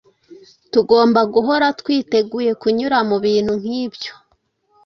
tugomba guhora twiteguye kunyura mu bintu nk’ibyo.